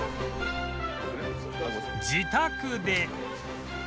自宅で